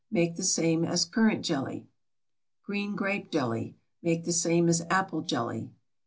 Make the same as currant jelly. GREEN GRAPE JELLY. Make the same as apple jelly.